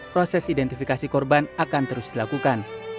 proses identifikasi korban akan terus dilakukan